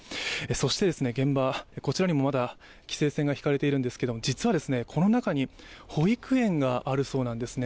そして現場、こちらにも規制線が敷かれているんですけど実はこの中に保育園があるそうなんですね。